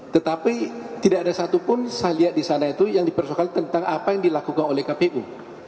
tetapi tidak ada satupun saya lihat di sana itu yang dipersoalkan tentang apa yang dilakukan oleh kpu